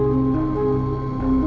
tidak ada yang tahu